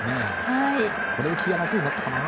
これで気が楽になったかな？